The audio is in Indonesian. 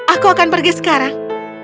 aku akan pergi sekarang